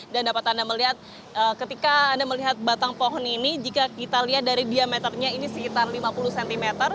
dan dapat anda melihat ketika anda melihat batang pohon ini jika kita lihat dari diameternya ini sekitar lima puluh cm